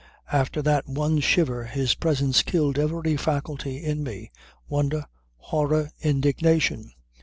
After that one shiver his presence killed every faculty in me wonder, horror, indignation.